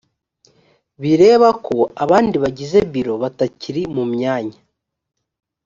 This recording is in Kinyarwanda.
bireba ko abandi bagize biro batakiri mu myanya